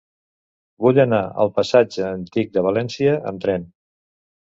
Vull anar al passatge Antic de València amb tren.